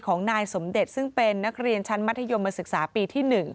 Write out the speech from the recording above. ของนายสมเด็จซึ่งเป็นนักเรียนชั้นมัธยมศึกษาปีที่๑